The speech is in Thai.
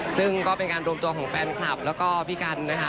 ซึ่งก็เป็นการรวมตัวของแฟนคลับแล้วก็พี่กันนะคะ